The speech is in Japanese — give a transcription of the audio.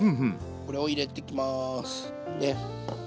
これを入れてきます。